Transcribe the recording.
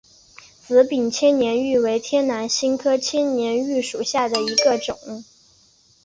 紫柄千年芋为天南星科千年芋属下的一个种。